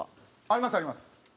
ありますあります。